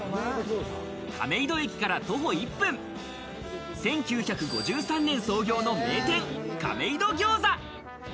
亀戸駅から徒歩１分、１９５３年創業の名店、亀戸ぎょうざ。